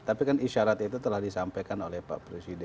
tapi kan isyarat itu telah disampaikan oleh pak presiden